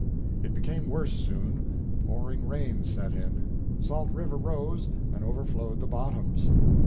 It became worse soon. Pouring rain set in. Salt River rose and overflowed the bottoms.